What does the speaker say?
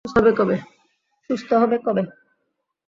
সুস্থ হবে কবে?